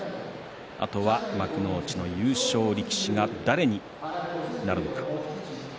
あとは幕内の優勝力士が誰になるのか。